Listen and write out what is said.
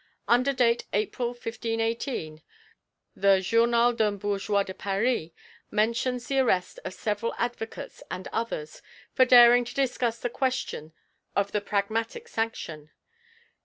Under date April, 1518, the Journal dun Bourgeois de Paris mentions the arrest of several advocates and others for daring to discuss the question of the Pragmatic Sanction.